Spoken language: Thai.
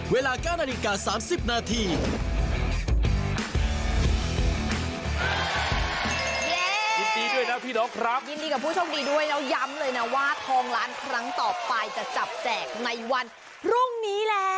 เวลา๙นาฬิกา๓๐นาที